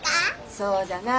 そうじゃなあ